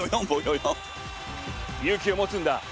勇気を持つんだ！